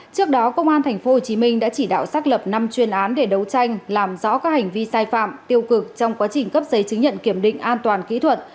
trước đó công an tp hcm đã chỉ đạo xác lập năm chuyên án để đấu tranh làm rõ các hành vi sai phạm tiêu cực trong quá trình cấp giấy chứng nhận kiểm định an toàn kỹ thuật